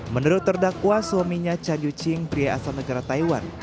menurut terdakwa suaminya chan yu ching pria asal negara taiwan